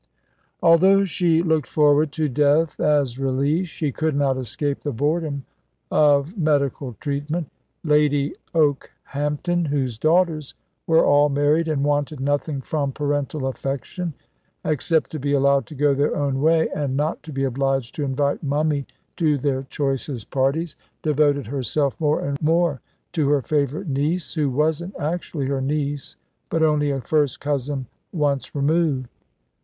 Although she looked forward to death as release, she could not escape the boredom of medical treatment. Lady Okehampton, whose daughters were all married, and wanted nothing from parental affection except to be allowed to go their own way, and not to be obliged to invite Mummy to their choicest parties devoted herself more and more to her favourite niece, who wasn't actually her niece, but only a first cousin once removed.